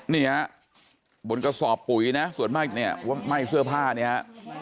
เนี่ยบนกระสอบปุ๋ยนะส่วนมากเนี่ยไหม้เสื้อผ้าเนี่ยฮะ